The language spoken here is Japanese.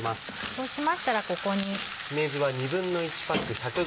そうしましたらここに。